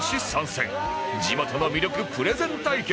地元の魅力プレゼン対決